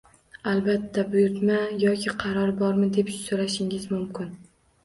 Albatta, buyurtma yoki qaror bormi, deb so'rashingiz mumkin